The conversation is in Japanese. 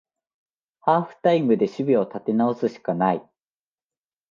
ハーフタイムで守備を立て直すしかない